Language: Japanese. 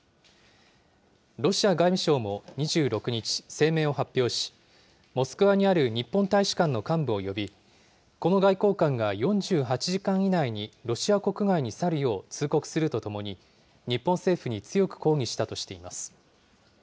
ロシア外務省も２６日、声明を発表し、モスクワにある日本大使館の幹部を呼び、この外交官が４８時間以内にロシア国外に去るよう通告するとともに、日本政府に強く抗議したとしています。